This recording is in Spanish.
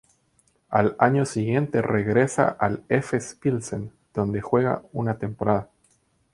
Al año siguiente regresa al Efes Pilsen, donde juega una temporada.